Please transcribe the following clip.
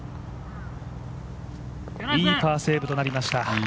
いいパーセーブとなりました。